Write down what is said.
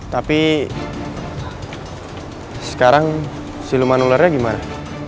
tapi sekarang si luman ularnya gimana